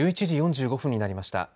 １１時４５分になりました。